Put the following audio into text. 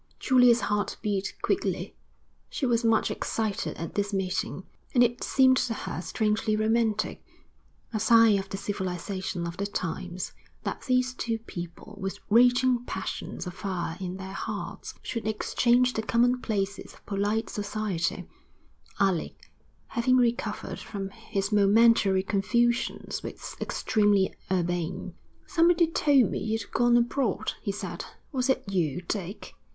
Julia's heart beat quickly. She was much excited at this meeting; and it seemed to her strangely romantic, a sign of the civilisation of the times, that these two people with raging passions afire in their hearts, should exchange the commonplaces of polite society, Alec, having recovered from his momentary confusion was extremely urbane. 'Somebody told me you'd gone abroad,' he said. 'Was it you, Dick?